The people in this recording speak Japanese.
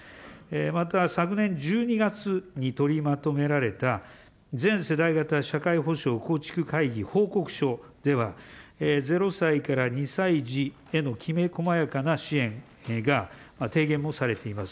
また、昨年１２月に取りまとめられました全世代型社会保障構築会議報告書では、０歳から２歳児へのきめ細やかな支援が提言もされています。